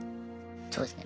そうですね